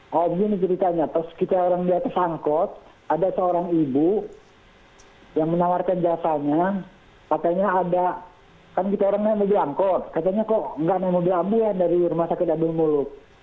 kalau begini ceritanya terus kita orang di atas angkot ada seorang ibu yang menawarkan jasanya katanya ada kan kita orang yang di angkot katanya kok nggak mau diambil ya dari rumah sakit abu mulut